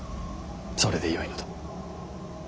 それでよいのだ。